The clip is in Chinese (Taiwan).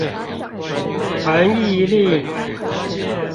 恆毅力